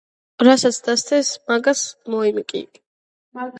რასაც დასთეს მაგას მოიმკი